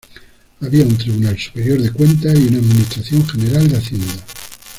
Había un Tribunal Superior de Cuentas y una Administración General de Hacienda.